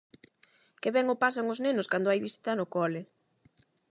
Que ben o pasan os nenos cando hai visita no cole.